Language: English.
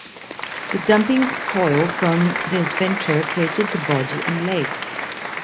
The dumping of spoil from this venture, created the body and legs.